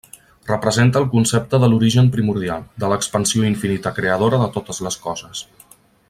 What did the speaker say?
Representa el concepte de l'origen primordial, de l'expansió infinita creadora de totes les coses.